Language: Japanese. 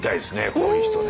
こういう人ね。